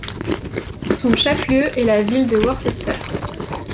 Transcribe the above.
Son chef-lieu est la ville de Worcester.